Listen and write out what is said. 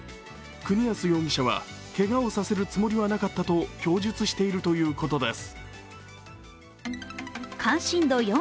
国安容疑者はけがをさせるつもりはなかったと供述しているということです。